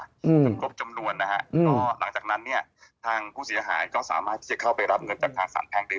ที่จะกลับจำนวณอ่ะฮะก็หลังจากนั้นทางผู้เสียหายก็สามารถใช้เข้าไปรับเงินจากทางสนทงได้เลย